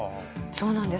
そうなんです。